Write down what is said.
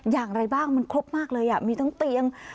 อย่างไรบ้างมันครบมากเลยมีทั้งเตียง